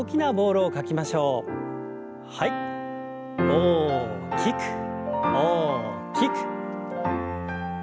大きく大きく。